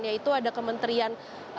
yaitu ada kementerian